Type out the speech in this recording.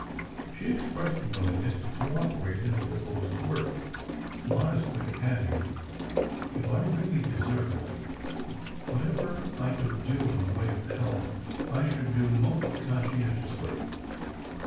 She expressed willingness to cooperate in the proposed work, modestly adding: "—if I really deserve it. Whatever I could do in the way of help, I should do most conscientiously."